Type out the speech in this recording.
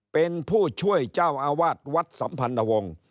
เป็นผู้ช่วยเจ้าอาวาสวัดสัมพันธวงศ์